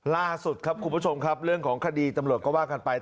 ล่าสุดครับคุณผู้ชมครับเรื่องของคดีตำรวจก็ว่ากันไป